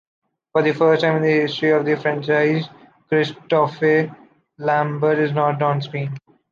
For the first time in the history of the franchise, Christophe Lambert is not on screen.